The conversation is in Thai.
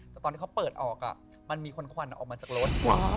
แต่ตอนที่เขาเปิดออกมันมีคนควันออกมาจากรถ